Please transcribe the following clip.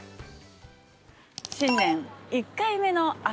◆新年１回目の朝